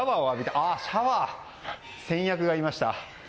シャワー、先約がいました。